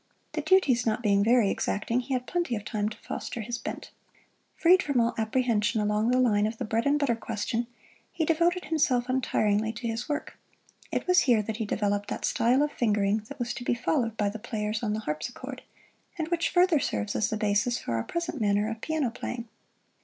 The duties not being very exacting, he had plenty of time to foster his bent. Freed from all apprehension along the line of the bread and butter question he devoted himself untiringly to his work. It was here he developed that style of fingering that was to be followed by the players on the harpsichord, and which further serves as the basis for our present manner of piano playing.